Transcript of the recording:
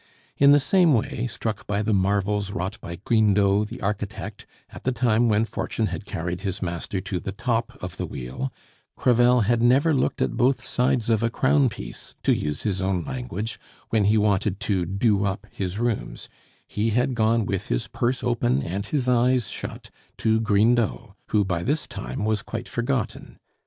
In the same way, struck by the marvels wrought by Grindot the architect, at the time when Fortune had carried his master to the top of the wheel, Crevel had "never looked at both sides of a crown piece," to use his own language, when he wanted to "do up" his rooms; he had gone with his purse open and his eyes shut to Grindot, who by this time was quite forgotten.